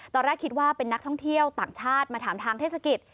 ตอนแรกคิดว่าเป็นนักท่องเที่ยวต่างชาติมาถามทางเทศกิจ